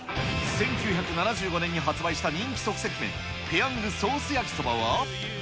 １９７５年に発売した人気即席麺、ペヤングソースやきそばは。